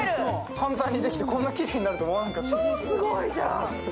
簡単にできてこんなにきれいになると思わなかった。